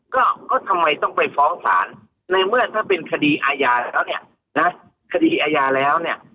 ก็ก็ทำไมต้องไปฟ้องศาลในเมื่อถ้าเป็นคดีอาญาแล้วเนี่ยนะคดีอาญาแล้วเนี่ย